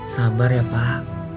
sabar ya pak